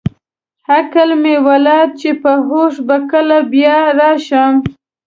عقل مې ولاړ چې په هوښ به کله بیا راشم.